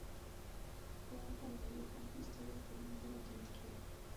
Juega como mediocampista y actualmente no tiene club.